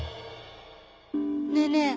ねえねえ